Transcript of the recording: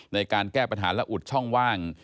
ในการแก้ปัญหาและอุดช่องว่าง